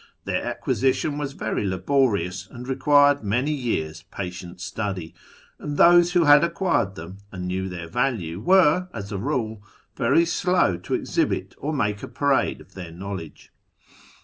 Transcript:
Their acquisition was very laborious, and required any years' patient study, and those who had acquired them nd knew their value were, as a rule, very slow to exhibit or lake a parade of their knowledge.